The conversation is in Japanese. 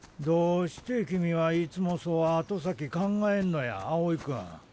どうして君はいつもそう後先考えんのや青井君。